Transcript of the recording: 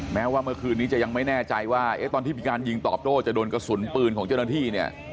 แม้ว่าเมื่อคืนนี้จะยังไม่แน่ใจว่าตอนที่มีการยิงตอบโต้จะโดนกระสุนปืนของเจ้าหน้าที่เนี่ย